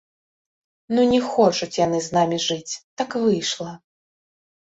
Ну, не хочуць яны з намі жыць, так выйшла!